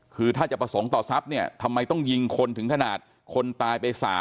คือถ้าจะประสงค์ต่อทรัพย์เนี่ยทำไมต้องยิงคนถึงขนาดคนตายไป๓